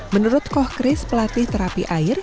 menurut koh kris pelatih terapi air